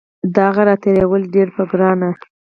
د هغه راتېرول وي ډیر په ګرانه